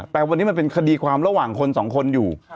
แต่วันนี้มันเป็นคดีความระหว่างคนสองคนอยู่